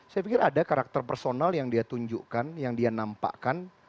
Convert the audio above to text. saya pikir ada karakter personal yang dia tunjukkan yang dia nampakkan